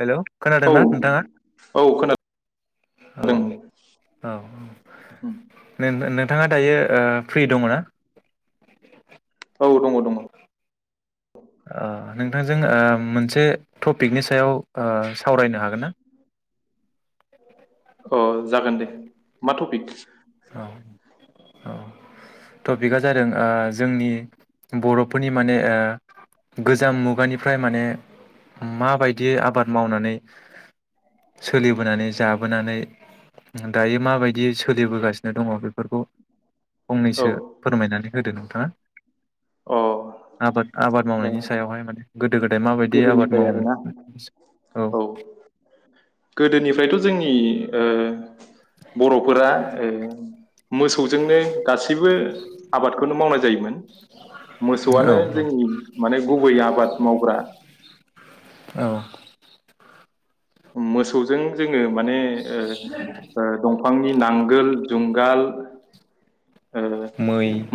Hello औ खोनादोंना नोंथाङा औ खोनादों दे। औ उम, औ नोंथाङा दायो। ओ फ्रि दङ ना औ दङ दङ। अ नों नोंथांजों ओ मोनसे टपिकनि सायाव ओ सावरायनो हागोन ना? अ जागोन दे मा टपिक? औ औ टपिकआ जादों ओ जोंनि बर'फोरनि माने ओ गोजाम मुगानिफ्राय माने माबायदि आबाद मावनानै सोलिबोनानै जाबोनानै दायो माबायदि सोलिबोगासिनो दङ बेफोरखौ औ फंनैसो फोरमायनानै होदो नोंथाङा अ आबाद आबाद ए, मावनायनि सायावहाय माने गोदो गोदाय माबायदि आबाद गोदोनिफ्राय आरोना मावोमोन औ गोदोनिफ्रायथ' जोंनि ओ बर'फोरा मोसौजोंनो गासैबो आबादखौनो मावनाय जायोमोन औ मै औ मोसौआनो जोंनि माने गुबै आबाद मावग्रा औ [inaudible] मोसौजों जों जोङो माने दंफां दफांनि नांगोल जुंगाल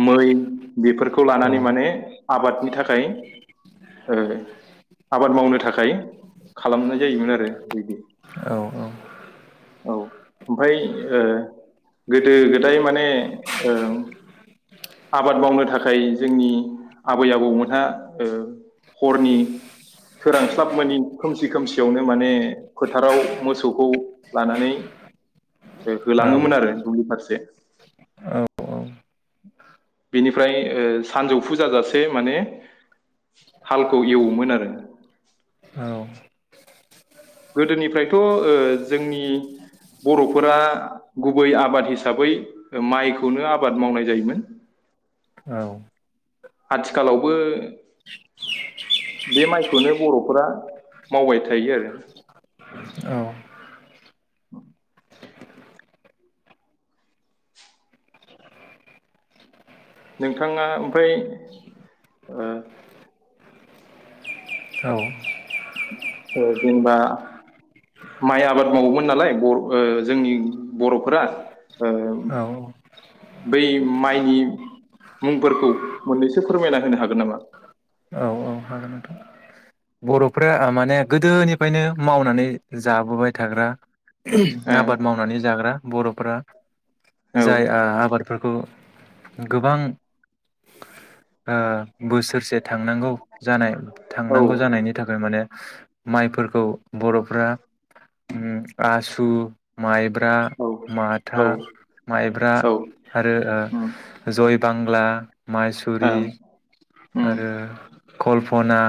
मै बेफोरखौ लानानै माने आबादनि थाखाय आबाद मावनो थाखाय खालामनाय जायोमोन आरो। बिदि औ औ ओमफाय गोदो गोदाय माने आबाद मावनो थाखाय जोंनि आबै आबौमोनहा हरनि सोरांस्लाब मोनि खोमसि खोमसियावनो माने फोथाराव मोसौखौ लानानै होलाङोमोन आरो दुब्लि फारसे बिनिफ्राय सानजौफु जाजासे माने हालखौ एवोमोन आरो गोदोनिफ्रायथ' जोंनि बर'फोरा गुबै आबाद हिसाबै माइखौनो आबाद मावनाय जायोमोन आथिखालावबो बे माइखौनो बर'फोरा मावबाय थायो आरो [inaudible] औ नोंथाङा ओमफ्राय औ जेनेबा माइ आबाद मावोमोन नालाय बर' जोंनि बर'फोरा औ बै माइनि मुंफोरखौ मोननैसो फोरमायना होनो हागोन नामा बरथ'फ्रा माने गोदोनिफ्रायनो मावनानै जाबोबाय थाग्रा आबाद ओ मावनानै जाग्रा बर'फोरा जाय आबादफोरखौ गोबां बोसोरसे थांनांगौ जानाय औ थांनांगौ जानायनि थाखाय माने माइफोरखौ बर' आसु माइब्रा औ औ माथा माइब्रा औ ओं आरो जय बांला माइसुरि ओं ओम आरो कल्पना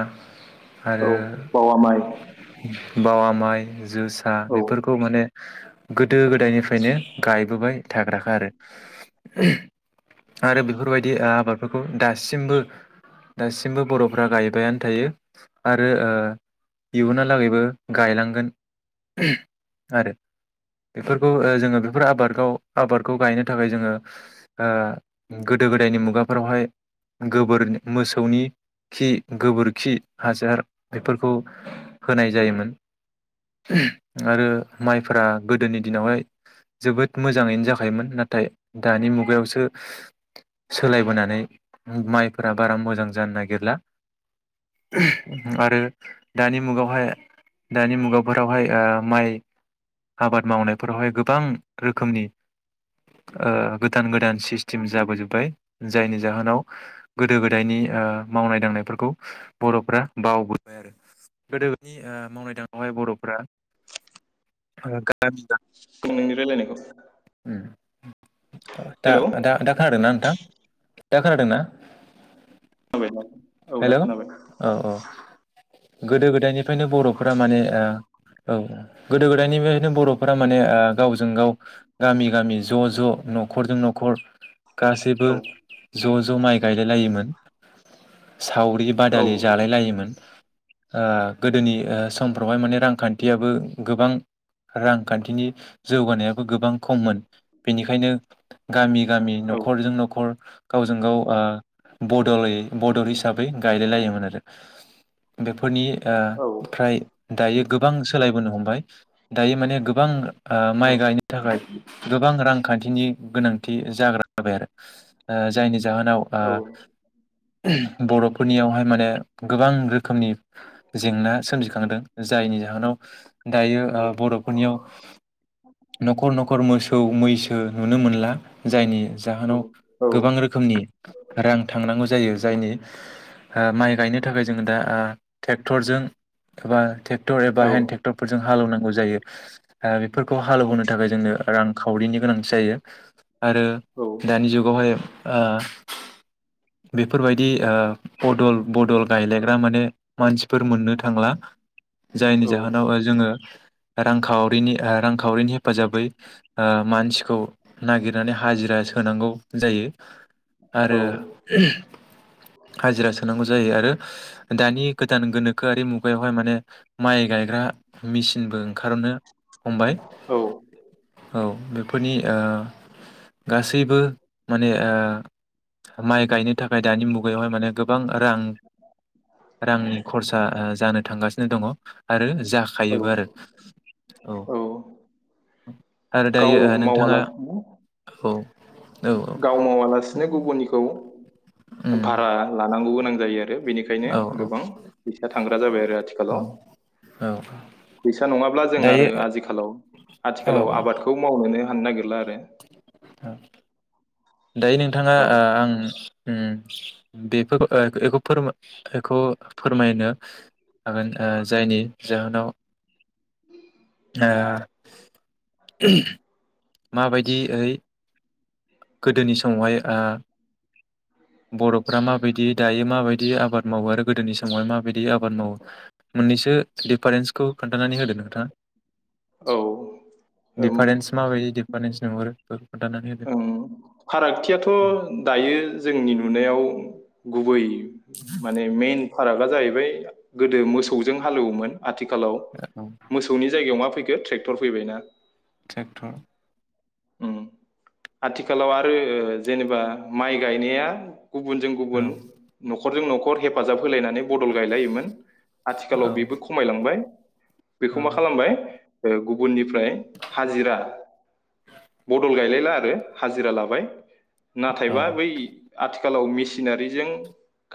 औ आरो बावा माइ बावा माइ होनो जोसा औ बेफोरखौ माने गोदो गोदायनिफ्रायनो गायबोबाय थाग्राखा आरो आरो बेफोरबायदि आबादफोरखौ दासिमबो दासिमबो बर'फोरा गायबायानो थायो। आरो इयहालागैबो गायलांगोन आरो बेफोरखौ जोङो बेफोर आबादखौ आबादखौ गायनो थाखाय जोङो ओ गोदो गोदायनि मुगाफोरावहाय गोबोर मोसौनि खि गोबोरखि हासार बेफोरखौ होनाय जायोमोन आरो माइफोरा गोदोनि दिनावहाय जोबोद मोजाङैनो जाखायोमोन नाथाय दानि मुगायावसो सोलायबोनानै माइफोरा बारा मोजां जानो नागिरला आरो दानि मुगायावहाय दानि मुगाफोरावहाय ओ माइ आबाद मावनायफोरावहाय गोबां रोखोमनि ओ गोदान गोदान सिस्टेम जाबोजोब्बाय जायनि जाहोनाव गोदो गोदायनि मावनाय दांनायफोरखौ बर'फ्रा बावबोबाय आरो गोदोनि ओ मावनाय दांनायावहाय बर'फ्रा [unintelligible] [unintelligible] नोंनि रायलायनायखौ दा हेलौ दा दा खोनादों ना नोंथां? दा खोनादोंना? औ दा हेलौ खोनाबाय। औ औ गोदो गोदायनिफ्रायनो बर'फोरा माने ओ औ गोदो गोदायनिफ्रायनो बर'फोरा माने ओ गावजों गाव गामि गामि ज' ज' न'खरजों न'खर गासैबो औ ज' ज' माइ गायलाय लायोमोन सावरि औ बादालि जालाय लायोमोन ओ गोदोनि समफ्रावहाय माने रांखान्थियाबो गोबां रांखान्थिनि जौगानायाबो गोबां खममोन बेनिखायनो गामि गामि औ न'खरजों न'खर गावजों गाव ओ बद'लै बदल हिसाबै गायलाय लायोमोन आरो बेफोरनि ओ औ ओमफ्राय दायो गोबां सोलायबोनो हमबाय दायो माने गोबां ओ माइ गायनो थाखाय। गोबां रांखान्थिनि गोनांथि जाग्रा जाबाय आरो ओ जायनि जाहोनाव ओ औ बर'फ फोरनियावहाय माने गोबां रोखोमनि जेंना सोमजिखांदों जायनि जाहोनाव दायो ओ बर'फोरनियाव न'खर न'खर मोसौ मैसो नुनो मोनला जायनि जाहोनाव गोबां रोखोमनि रां थांनांगौ जायो जायनि माइ गायनो थाखाय जोङो दा ट्रेक्टरजों एबा ट्रेक्टर एबा हेन्ड औ ट्रेक्टरफोरजों हालेवनांगौ जायो बेफोरखौ हालेवबोनो थाखाय जोंनो रांखावरिनि गोनांथि जायो आरो दानि जुगावहाय ओ बेफोरबायदि ओ बदल बदल गायलायग्रा माने मानसिफोर मोननो थांला जायनि जाहोनाव ओ जोङो रांखावरिनि रांखावरिनि हेफाजाबै ओ मानसिखौ नागिरनानै हाजिरा सोनांगौ जायो आरो हाजिरा सोनांगौ जायो आरो दानि गोदान गोनोखोआरि मुगायावहाय माने माइ गायग्रा मेसिनबो ओंखारनो हमबाय। औ औ बेफोरनि ओ गासैबो माने ओ माइ गायनो थाखाय दानि मुगायावहाय माने गोबां रां रांनि खरसा जानो थांगासिनो दङ आरो जाखायोबो आरो औ उम गाव मावालासिनो औ औ औ गाव मावालासिनो गुबुननिखौ उम भारा लानांगौमोन गोनां जायो आरो बेनिखायनो औ गोबां फैसा थांग्रा जाबाय आरो आथिखालाव औ औ औ फैसा नङाब्ला जों दायो आरो आखालाव औ आथिखालाव आबाद मावनोनो हानोनो नागिरला आरो औ दायो नोंथाङा औ आं बेफोरखौ बेखौ बेखौ फोरमायनो हागोन जायनि जाहोनाव उम आ माबायदि ओइ गोदोनि समावहाय बर'फ्रा माबायदि दायो माबायदि आबाद मावो आरो गोदोनि समावहाय माबायदि आबाद मावो मोननैसो दिफारेन्सखौ खोनथानो होदो नोंथाङा औ ओम दिफारेन्स माबायदि दिफारेन्स लिंहरो बेफोरखौ खोन्थानानै होदो फारागथियाथ' दायो जोंनि नुनायाव गुबै माने मेन फारागा जाहैबाय गोदो मोसौजों हालेवोमोन आथिखालाव औ मोसौनि जायगायाव मा फैगोन ट्रेक्टर फैबाय ना ट्रेक्टर उम आथिखालाव आरो जेनेबा माइ गायनाया गुबुनजों औ गुबुन न'खरजों न'खर हेफाजाब होलायनानै बदल गायलायोमोन औ आथिखालाव बेबो खमायलांबाय बेखौ औ मा खालामबाय गुबुननिफ्राय हाजिरा बदल गायलाय आरो हाजिरा लाबाय औ नाथायबा बै आथिखालाव मिस मिसिनारिजों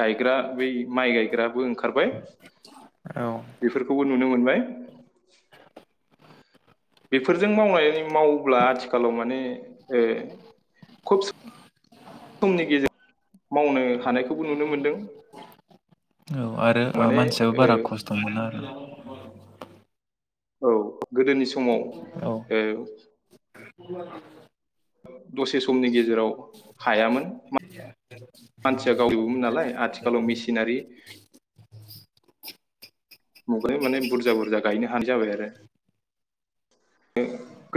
गायग्रा बै माइ गायग्राबो ओं ओंखारबाय बेफोरखौबो नुनो मोनबाय [inaudible] बेफोरजों मावनाय मावोब्ला आथिखालाव माने खुब समनि गेजेरजों मावनो हानायखौबो नुनो मोनदों औ आरो माने मानसियाबो बारा ओ खस्थ' मोना आरो औ औ गोदोनि समाव औ [inaudible] दसे समनि गेजेराव हायामोन मान सिया गावजोबोमोन नालाय आथिखालाव मेसिनारि मुगानि माने बुरजा बुरजा गायनो हानाय जाबाय आरो ओ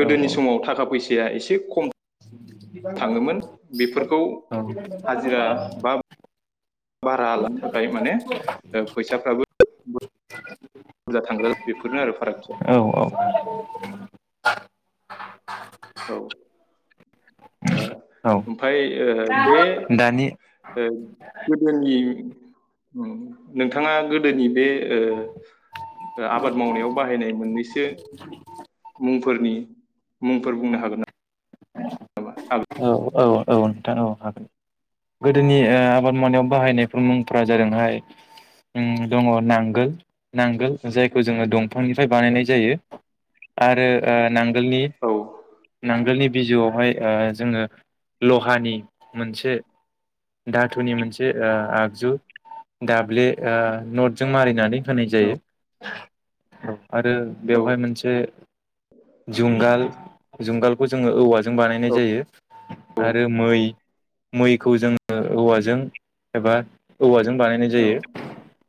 गोदोनि समाव थाखा फैस साया एसे खम थाङोमोन बेफोरखौ हाजिरा बा भारा लानो थाखाय माने ओ फैसाफ्राबो औ बुरजा थांग्रा बेफोरनो आरो औ फारागथिया [inaudible] औ अ औ ओमफाय ओ बे दानि गोदोनि उम नोंथाङा गोदोनि बे ओ आबाद मावनायाव बाहायनाय मोननैसो मुंफोरनि मुं फोर बुंनो हागोन ना [inaudible] हागोन। औ औ औ नोंथां औ हागोन गोदोनि ओ आबाद मावनायाव बाहायनायफोर मुंफोरा जादोंहाय उम दङ नांगोल नांगोल जायखौ जोङो दंफांनिफ्राय बानायनाय जायो आरो ओ नां गोल ‌नि औ नांगोलनि बिजौआवहाय ओ जोङो लहानि मोनसे दाथुनि मोनसे ओ आगजु दाब्ले ओ नथजों मारिनानै होनाय औ जायो आरो औ बेवहाय मोनसे जुंगाल जुंगालखौ जोङो औवाजों बानायनाय जायो आरो मै मैखौ जोङो औवाजों एबा औवा जों बानायनाय औ जायो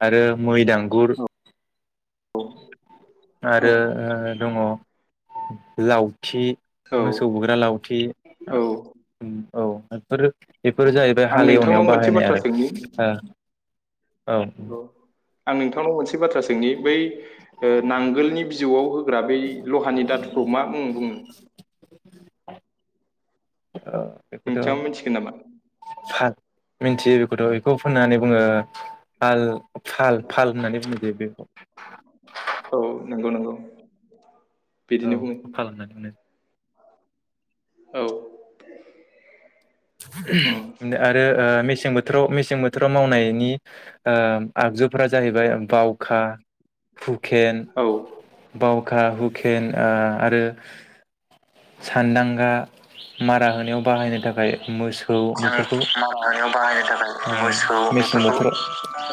आरो मै दांगुर औ आरो ओ दङ लाव थि औ मोसौ औ बुग्रा लाव थि औ औ इफोरो बेफोर जाहैबाय आं हाल नोंथांनाव एवनायाव मोनसे बाहायनाय बाथ्रा आरो सोंनि ओ औ आं नोंथांनाव मोनसे बाथ्रा सोंनि बै ओ नांगोलनि बिजौआव होग्रा बै लहानि दाथुखौ मा मुं बुंङो औ नोंथाङा मिथिगोन नामा बेखौथ' सान मिथियो बेखौथ' बेखौ होननानै बुङो फाल फाल फाल होननानै बुङो बे बेखौ औ नंगौ नंगौ औ बिदिनो बुङो बेखौ खालामनानै मो औ उम आरो ओ मेसें बोथोराव मेसें बोथोर फोराव मावनायनि ओ आगजुफोरा जाहैबाय बावखा हुकेन औ बाव खा हुकेन ओ आरो सानदांगा मारा होनायाव बाहायनो थाखाय मो जों मारा होनायाव बाहायनो थाखाय मोसौ मेसें बेफोरखौ बोथोराव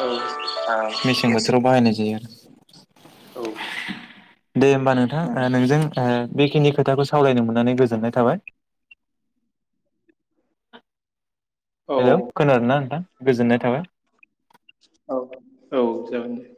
औ मेसें मेचिन बोथोराव बाहायनाय जायो आरो औ दे होमबा नोंथां उम ओ नोंजों ओ बेखिनि खोथाखौ सावरायनो मोननानै गोजोननाय थाबाय औ हेलौ खोनादों ना नोंथां गोजोननाय थाबाय औ औ जागोन दे